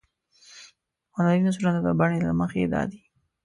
هنري نثرونه د بڼې له مخې دادي.